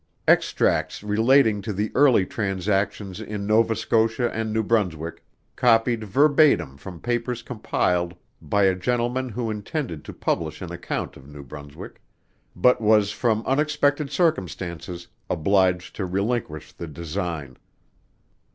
_Extracts relating to the early transactions in Nova Scotia and New Brunswick, copied verbatim from papers compiled by a gentlemen who intended to publish an account of New Brunswick; but was from unexpected circumstances obliged to relinquish the design.